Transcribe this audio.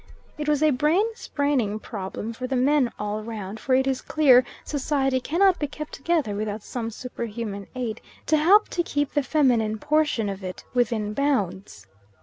It was a brain spraining problem for the men all round, for it is clear Society cannot be kept together without some superhuman aid to help to keep the feminine portion of it within bounds.